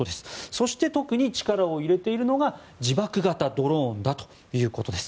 そして、特に力を入れているのが自爆型ドローンだということです。